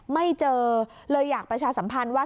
ไม่เจอเลยอยากประชาสัมพันธ์ว่า